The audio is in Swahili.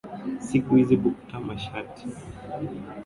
siku hizi bukta mashati na tisheti za kitenge zimeenea mjini